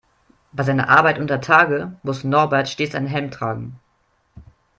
Bei seiner Arbeit untertage muss Norbert stets einen Helm tragen.